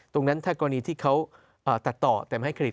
ตรงนั้นถ้ากรณีที่เขาตัดต่อแต่ไม่ให้เครด